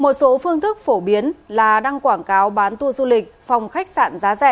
một số phương thức phổ biến là đăng quảng cáo bán tour du lịch phòng khách sạn giá rẻ